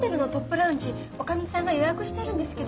ラウンジおかみさんが予約してるんですけど。